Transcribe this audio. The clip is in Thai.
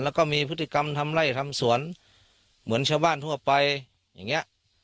แล้วก็มีพฤติกรรมทำไล่ทำสวนเหมือนชาวบ้านทั่วไปอย่างนี้